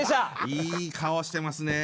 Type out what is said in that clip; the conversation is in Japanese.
いい顔してますね。